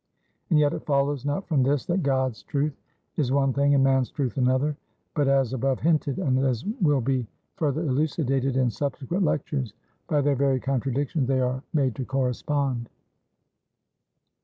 And yet it follows not from this, that God's truth is one thing and man's truth another; but as above hinted, and as will be further elucidated in subsequent lectures by their very contradictions they are made to correspond.